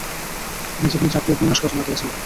তিনি জীবনে চারটি ডপন্যাস রচনা করেছিলেন।